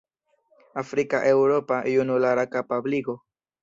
"Afrika-Eŭropa junulara kapabligo".